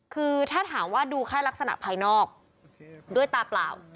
คือถ้าถามว่าดูค่ายลักษณะภายนอกด้วยตาเปล่า